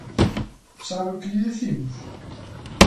¿Sabe o que lle dicimos?